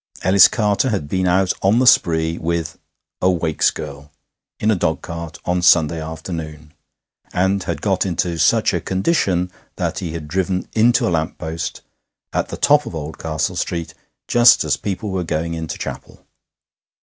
Ellis Carter had been out on the spree with a Wakes girl in a dogcart on Sunday afternoon, and had got into such a condition that he had driven into a lamp post at the top of Oldcastle Street just as people were going into chapel.